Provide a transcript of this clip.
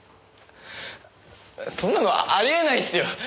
そんなのありえないっすよ！